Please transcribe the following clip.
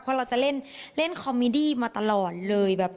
เพราะเราจะเล่นคอมมิดี้มาตลอดเลยแบบ